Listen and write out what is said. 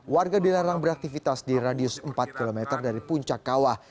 warga dilarang beraktivitas di radius empat km dari puncak kawah